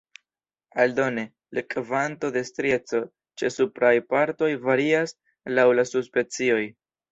Aldone, la kvanto de strieco ĉe supraj partoj varias laŭ la subspecioj.